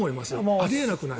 あり得なくない？